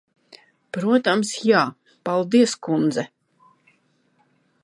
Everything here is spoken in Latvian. Protams, jā. Paldies, kundze.